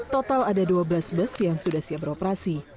total ada dua belas bus yang sudah siap beroperasi